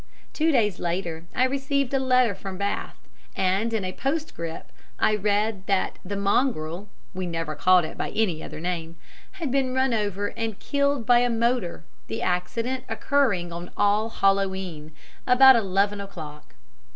Two days later I received a letter from Bath, and in a postscript I read that 'the mongrel' (we never called it by any other name) 'had been run over and killed by a motor, the accident occurring on All Hallow E'en, about eleven o'clock.'